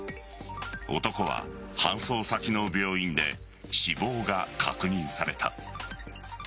男は搬送先の病院で死亡が確認された。